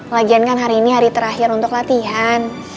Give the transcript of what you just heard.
lagian kan hari ini hari terakhir untuk latihan